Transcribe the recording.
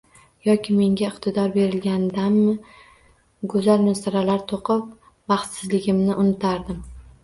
Yoki menga iqtidor berilgandami, go`zal misralar to`qib, baxtsizligimni unutardim